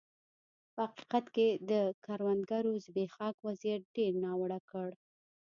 په حقیقت کې د کروندګرو زبېښاک وضعیت ډېر ناوړه کړ.